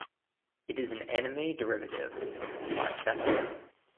It is an amine derivative of biphenyl.